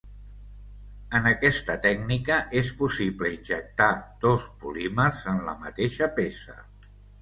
En aquesta tècnica és possible injectar dos polímers en la mateixa peça.